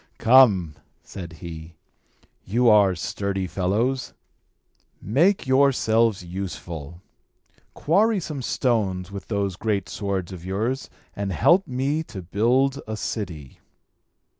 "Come!" said he. "You are sturdy fellows. Make yourselves useful! Quarry some stones with those great swords of yours, and help me to build a city."